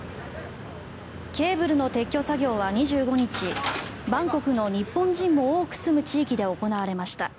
ケーブルの撤去作業は２５日バンコクの日本人も多く住む地域で行われました。